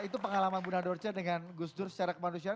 itu pengalaman bunda dorce dengan gus dur secara kemanusiaan